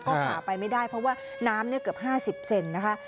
ก็หาไปไม่ได้เพราะว่าน้ำเกือบ๕๐เซนนะคะ